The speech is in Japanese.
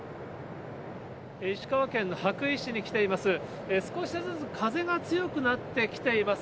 石川県羽咋市に来ています。